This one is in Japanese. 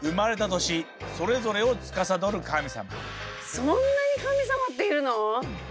そんなに神様っているの？